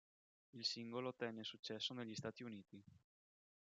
Il singolo ottenne successo negli Stati Uniti.